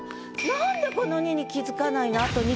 なんでこの「に」に気づかないの。